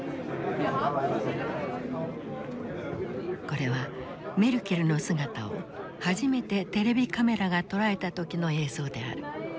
これはメルケルの姿を初めてテレビカメラが捉えた時の映像である。